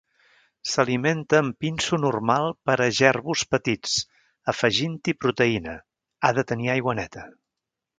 S'alimenta amb pinso normal per a jerbus petits afegint-hi proteïna, ha de tenir aigua neta.